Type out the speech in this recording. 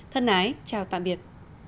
thân ái chào tạm biệt